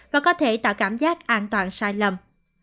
và có thể tạo cảm giác an toàn sai lầm